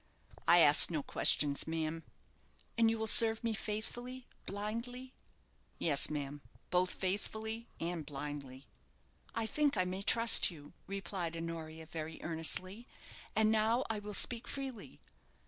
"I ask no questions, ma'am." "And you will serve me faithfully blindly?" "Yes, ma'am; both faithfully and blindly." "I think I may trust you," replied Honoria, very earnestly "And now I will speak freely.